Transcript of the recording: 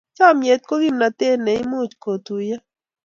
Chomnyet ko kimnatet ne imuch kotuiyo.